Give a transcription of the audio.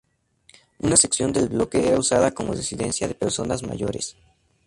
Una sección del bloque era usada como residencia de personas mayores.